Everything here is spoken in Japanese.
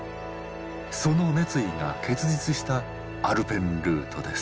その熱意が結実したアルペンルートです。